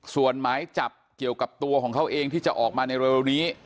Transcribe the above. ส่วนหมายจับเกี่ยวกับตัวของเขาเองที่จะออกมาในเร็วนี้